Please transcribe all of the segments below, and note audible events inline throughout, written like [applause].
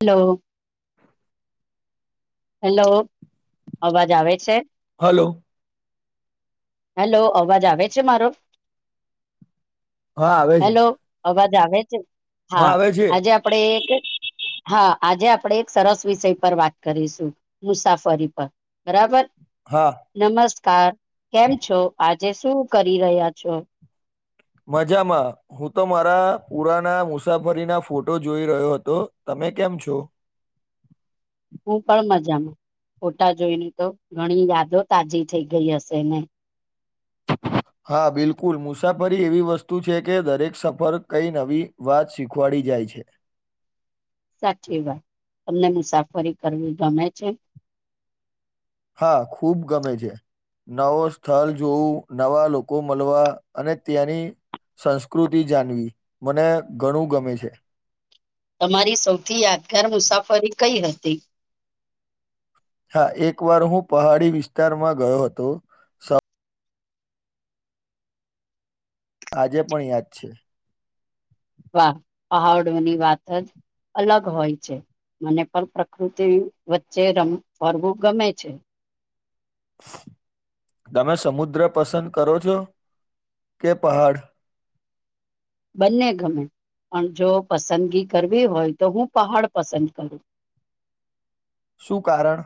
Hello hello અવાજ આવે છે હલોો હેલો અવાજ આવે છે મારો હા આવે છે હેલો અવાજ આવે છે હા આવે છે આજે આપડે હા આજે આપણેે એક સરસ વિષય પર વાત કરીશું મુસાફરી પર બરાબર હા નમસ્કાર કેમ છો આજે શું કરી રહ્યા છો મજામાં હું તો મારા પુરાના મુસાફરી ના ફોટો જોઈ રહ્યો હતો મેં કેમ છો હું પણ મજામાં ફોટા જોઈને તો ઘણી યાદો તાજી થઈ ગઈ હશે ને હા બિલકુલ મુસાફરી એવી વસ્તુ છે કે દરેક સફર કઈ નવી વાત શીખવાડી જાય છે [inaudible] સાચી વાત તમને મુસાફરી કરવી ગમે છે હા ખુબ ગમે છે નવો સ્થળ જોવું નવા લોકો મળવા અને ત્યાંની સંસ્કૃતિ જાણવી મને ઘણું ગમે છે તમારી બ હા એક વાર હું પહાડી વિસ્તારમાં ગયો હતો આજે પણ યાદ છે વા પહાડોની વાત જ અલગ હોય છે મને પણ પ્રકૃતિ વચ્ચે રમ ફરવું ગમે છે [inaudible] તમે સમુદ્ર પસંદ કરો છો કે પહાડ બંને ગમે પણ જો પસંદગી કરવી હોય તો હું પહાડ પસંદ કરું શું કારણ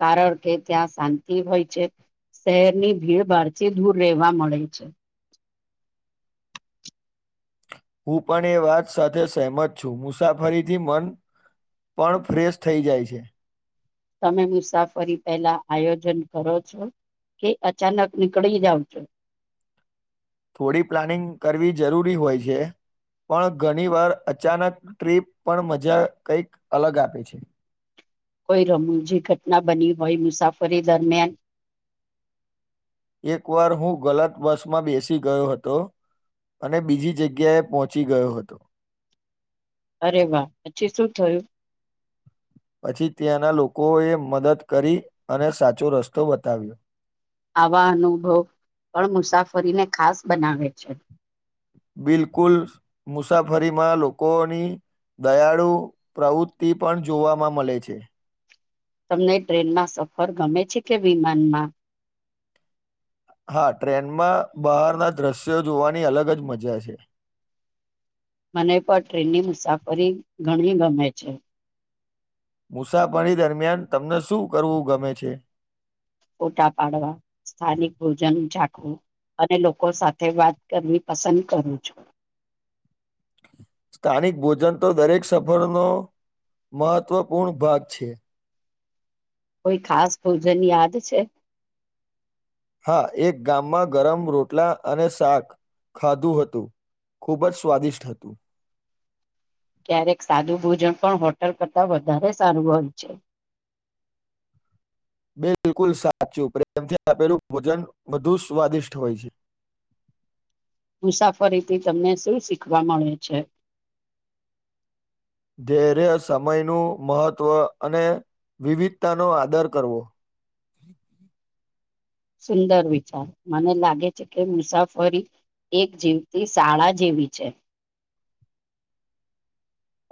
કારણ કે ત્યાં શાંતિ હોય છે શહેરની ભીડભાડથી દૂર રહેવા મળે છે હું પણ એ વાત સાથે શેહમત છું મુસાફરીથી મન પણ ફ્રેશ થઈ જાય છે તમે મુસાફરી પહેલા આયોજન કરો છો કે અચાનક નીકળી જાવ છો થોડી પ્લાનિંગ કરવી જરૂરી હોય છે પણ ઘણી વાર અચાનક ટ્રીપ પણ મજા કંઈક અલગ આપે છે [inaudible] કોઈ રમૂજી ઘટના બની હોય મુસાફરી દરમિયાન એક વાર હું ગલત બસમાં બેસી ગયો હતો અને બીજી જગ્યાએ પહોંચી ગયો હતો અરે વાહ પછી શું થયું પછી ત્યાંના લોકોએ મદદ કરી અને સાચો રસ્તો બતાવ્યો આવા અનુભવ પણ મુસાફરીને ખાસ બનાવે છે બિલકુલ મુસાફરીમાં લોકોની દયાળુ પ્રવૃત્તિ પણ જોવામાં મળે છે તમને ટ્રેનમાં સફર ગમે છે કે વિમાનમાં હા ટ્રેનમાં બહારના દ્રશ્યો જોવાની અલગ જ મજા છે મને પણ ટ્રેનની મુસાફરી ઘણી ગમે છે મુસાફરી દરમિયાન તમને શું કરવું ગમે છે ફોટા પાડવા સ્થાનિક ભોજન ચાખવું અને લોકો સાથે વાત કરવી પસંદ કરું છું સ્થાનિક ભોજન તો દરેક સફરનો મહત્વપૂર્ણ ભાગ છે કોઈ ખાસ ભોજન યાદ છે હા એક ગામમાં ગરમ રોટલા અને શાક ખાધું હતું ખૂબ જ સ્વાદિષ્ટ હતું [inaudible] ક્યારેક સાદુ ભોજન પણ હોટલ કરતાં વધારે સારું હોય છે [inaudible] બિલકુલ સાચું પ્રેમથી આપેલું ભોજન વધુ સ્વાદિષ્ટ હોય છે [inaudible] મુસાફરીથી તમને શું શીખવા મળે છે ધૈર્ય સમયનું મહત્ત્વ અને વિવિધતાનો આદર કરવો [inaudible] સુંદર વિચાર મને લાગે છે કે મુસાફરી એક જીવતી શાળા જેવી છે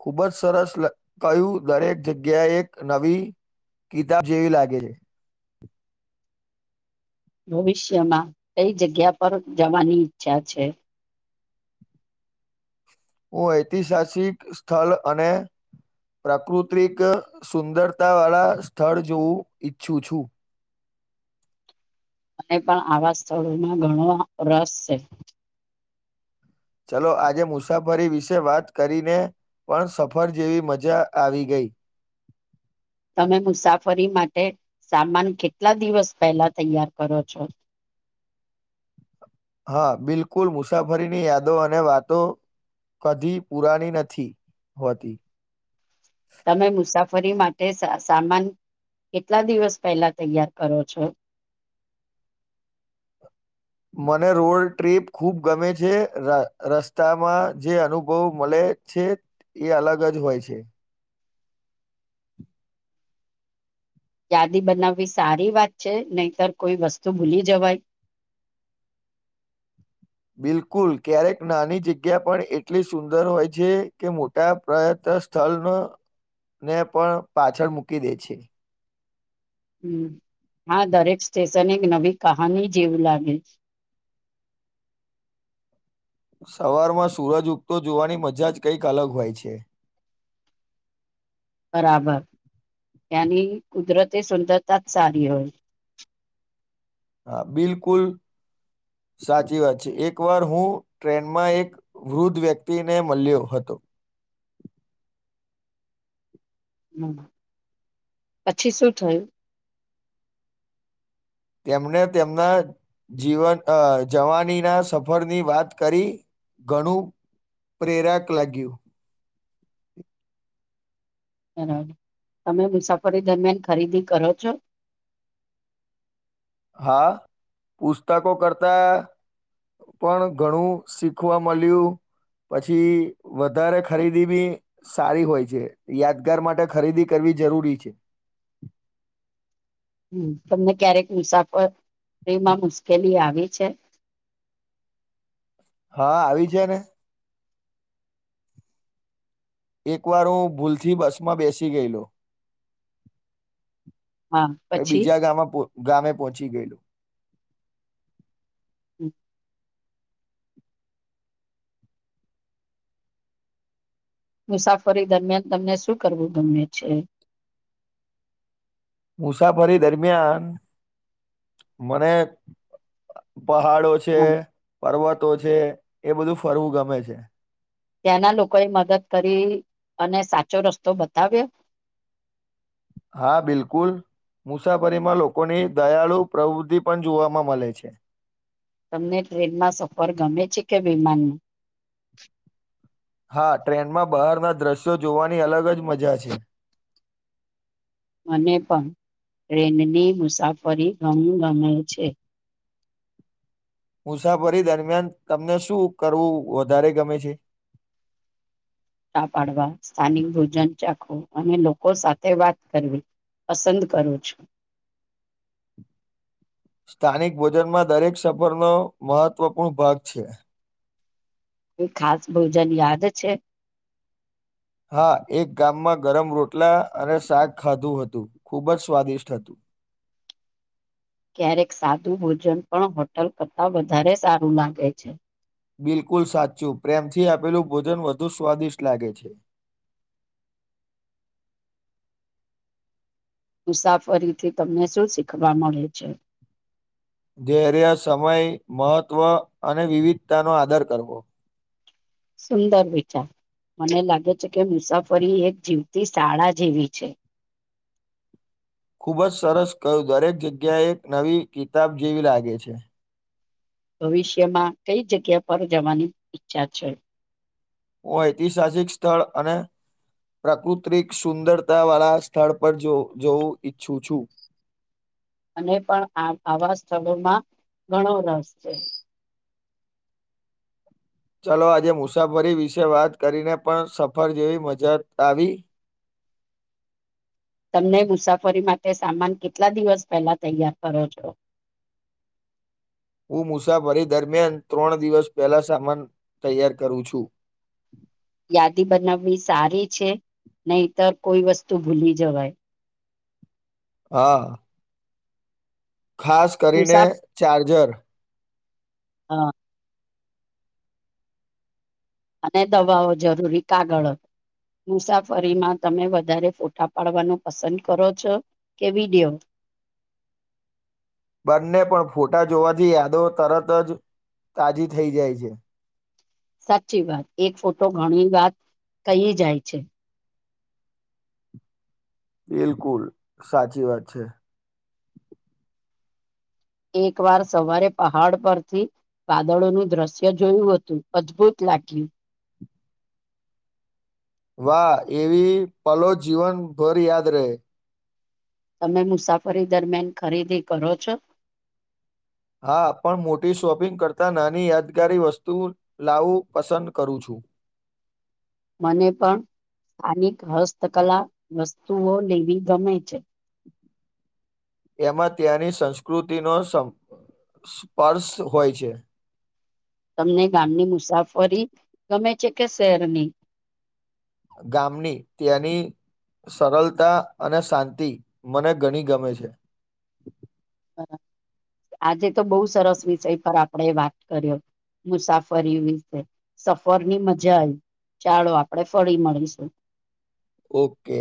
ખૂબ જ સરસ લ કહ્યું દરેક જગ્યાએ એક નવી કિતાબ જેવી લાગે છે [inaudible] ભવિષ્યમાં કઈ જગ્યા પર જવાની ઈચ્છા છે હું ઐતિહાસિક સ્થળ અને પ્રાકૃતિક સુંદરતા વાળા સ્થળ જોવું ઈચ્છું છું [inaudible] અને પણ આવા સ્થળોમાં ઘણો રસ છે ચલો આજે મુસાફરી વિશે વાત કરીને પણ સફર જેવી મજા આવી ગઈ [inaudible] તમે મુસાફરી માટે સામાન કેટલા દિવસ પહેલા તૈયાર કરો છો [inaudible] હા બિલકુલ મુસાફરીની યાદો અને વાતો કદીી પુરાની નથી હોતી તમે મુસાફરી માટે સામાન કેટલા દિવસ પહેલા તૈયાર કરો છો મને રોડ ટ્રીપ ખૂબ ગમે છે રસ્તામાં જે અનુભવ મળે છે છે એ અલગ જ હોય છે યાદી બનાવવી સારી વાત છે નહીતર કોઈ વસ્તુ ભૂલી જવાય [inaudible] બિલકુલ ક્યારેક નાની જગ્યા પણ એટલી સુંદર હોય છે કે મોટા પ્રયત્ન સ્થળ ને પણ પાછળ મૂકી દે છે હમ હા દરેક સ્ટેશન એક નવી કહાની જેવું લાગે છે [inaudible] સવારમાં સૂરજ ઉગતો જોવાની મજા જ કંઈક અલગ હોય છે બરાબર એની કુદરતે સુંદરતા સધ હોય હા બિલકુલ સાચી વાત છે, એક વાર હું ટ્રેનમાં એક વૃદ્ધ વ્યક્તિને મલયો હતો. [inaudible] હમ પછી શું થયું? તેમણે તેમના જીવન અ જવાનીના સફરની વાત કરી ઘણું પ્રેરાક લાગ્યું. બરાબર તમે મુસાફરી દરમિયાન ખરીદી કરો છો? [inaudible] હા પુસ્તકો કરતા પણ ઘણું શીખવા મલયુ પછી વધારે ખરીદી બી સારી હોય છે, યાદગાર માટે ખરીદી કરવી જરૂરી છે. [inaudible] તમને ક્યારેક મુસાફરીમાં મુશ્કેલી આવી છે? [inaudible] હા આવી છે ને એક વાર હું ભૂલથી બસમાં બેસી ગયલો હા પહી પછી બીજા ગામ ગામે પોહોચી ગયેલું હમ. મુસાફરી દરમિયાન તમને શું કરવું ગમે છે? મુસાફરી દરમિયાન મને પહાડો છે, હા પર્વતો છે, એ બધું ફરવું ગમે છે. ત્યાંના લોકોએ મદદ કરી અને સાચો રસ્તો બતાવ્યો? [inaudible] હા બિલકુલ મુસાફરીમાં લોકોની દયાળુ પ્રવૃત્તિ પણ જોવામાં મળે છે તમને ટ્રેનમાં સફર ગમે છે કે વિમાન? હા ટ્રેનમાં બહારના દ્રશ્યો જોવાની અલગ જ મજા છે. મને પણ ટ્રેનની મુસાફરી ગમ ગમે છે. મુસાફરી દરમિયાન તમને શું કરવું વધારે ગમે છે? [inaudible] તા પાડવા સ્થાનિક ભોજન ચાખવું અને લોકો સાથે વાત કરવી પસંદ કરું છું. સ્થાનિક ભોજનમાં દરેક સફરનો મહત્વપૂર્ણ ભાગ છે. કોઈ ખાસ ભોજન યાદ છે? હા એક ગામમાં ગરમ રોટલા અને શાક ખાધું હતું ખૂબ જ સ્વાદિષ્ટ હતું. [inaudible] ક્યારેક સાદું ભોજન પણ હોટલ કરતાં વધારે સારું લાગે છે. બિલકુલ સાચું પ્રેમથી આપેલું ભોજન વધુ સ્વાદિષ્ટ લાગે છે. [inaudible] મુસાફરીથી તમને શું શીખવા મળે છે? ધૈર્ય, સમય, મહત્વ અને વિવિધતાનો આદર કરવો સુંદર વિચા મને લાગે છે, કે મુસાફરી એક જીવતી શાળા જેવી છે. ખૂબ જ સરસ કહ્યું દરેક જગ્યાએ એક નવી કિતાબ જેવી લાગે છે. ભવિષ્યમાં કઈ જગ્યા પર જવાની ઈચ્છા છે. ઐતિસાાસિક સ્થળ અને પ્રાકૃતિક સુંદરતા વાળા સ્થળ પર જો જોવું ઈચ્છું છું. અને પણ આ આવા સ્થળોમાં ઘણો રસ છે. ચલો આજે મુસાફરી વિશે વાત કરીને પણ સફર જેવી મજા આવી તમને મુસાફરી માટે સામાન કેટલા દિવસ પહેલા તૈયાર કરો છો [inaudible] હું મુસાફરી દરમિયાન ત્રણ દિવસ પહેલા સામાન તૈયાર કરું છું [inaudible] યાદી બનાવવી સારી છે નહીતર કોઈ વસ્તુ ભૂલી જવાય હા ખાસ કરીને ચાર્જર હા અને દવાઓ જરૂરી કાગળ હતો મુસાફરીમાં તમે વધારે ફોટા પાડવાનું પસંદ કરો છો કેવિડિયો બંને પણ ફોટા જોવાથી યાદો તરત જ તાજી થઈ જાય છે સાચી વાત એક ફોટો ઘણી વાત કહી જાય છે બિલકુલ સાચી વાત છે એક વાર સવારે પહાડ પરથી વાદળોનુંું દ્રશ્ય જોયું હતું અદભુત લાગલી વાહ એવી પલો જીવનભર યાદ રહે તમે મુસાફરી દરમિયાન ખરીદી કરો છો હા પણ મોટી શોપિંગ કરતાં નાની યાદગારી વસ્તુ લાવું પસંદ કરું છું [inaudible] મને પણ સ્થાનિક હસ્તકલા વસ્તુઓ લેવી ગમે છે [inaudible] એમાં ત્યાંની સંસ્કૃતિનો સ્પર્શ હોય છે તમને ગામની મુસાફરી ગમે છે કે શહેરની ગામની ત્યાંની સરળતા અને શાંતિ મને ઘણી ગમે છે. આજે તો બહુ સરસ વિષય પર આપણેે વાત કર્યો. મુસાફરી વિશે સફર ની મજા આવી. ચાલો આપડે ફરી મળીશું. ઓકે.